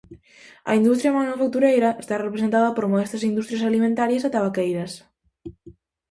A industria manufactureira está representada por modestas industrias alimentarias e tabaqueiras.